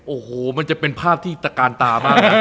โอ้โหมันจะเป็นภาพที่ตะกาลตามากนะ